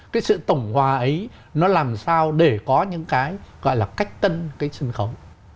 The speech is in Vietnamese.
cái sự tổng hòa ấy nó làm sao để có những cái gọi là cách tân cái sân khấu